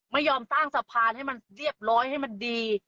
ไม่ยอมสร้างสะพานให้มันเรียบร้อยให้มันดี